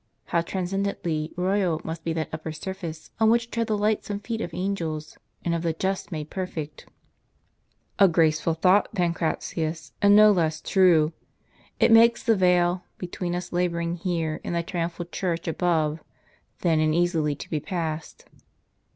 How transcendently royal must be that upper surface, on which tread the lightsome feet of angels, and of the just made perfect !" "A graceful thought, Pancratius, and no less true. It makes the veil, between us laboring here and the triumphal church above, thin and easily to be passed."